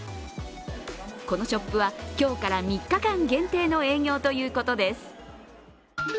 このショップは今日から３日間限定の営業ということです。